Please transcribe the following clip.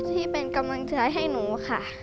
ที่เป็นกำลังใจให้หนูค่ะ